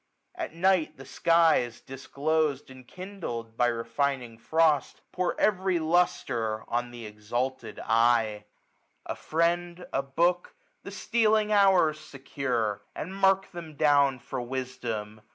At night the skies, Disclos'd and kindled by refining frost, Pour every lustre on th* exalted eye. 1330 AUTUMN. i7t A friend, a book, the stealing hours secure, And mark them down for wisdom.